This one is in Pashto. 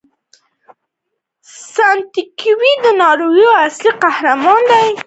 سانتیاګو د ناول اصلي قهرمان دی.